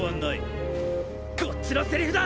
こっちのセリフだ！